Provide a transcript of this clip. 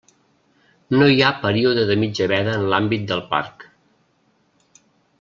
No hi ha període de mitja veda en l'àmbit del parc.